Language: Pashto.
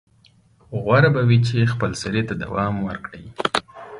غوره به وي چې خپلسرۍ ته دوام ورکړي.